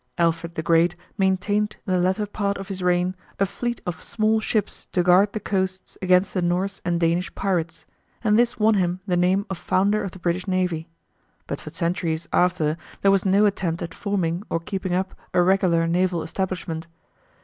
Alfred the Great maintained in the latter part of his reign a fleet of small ships to guard the coasts against the Norse and Danish pirates, and this won him the name of founder of the British Navy. But for centuries after there was no attempt at forming or keeping up a regular naval establishment.